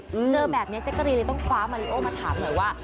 เจอแบบนี้เจ๊กกะรีนเลยต้องคว้ามาริโอมาถามหน่อยว่า